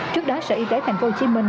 trước đó sở y tế thành phố hồ chí minh